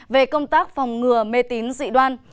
về công tác phòng ngừa mê tín dị đoan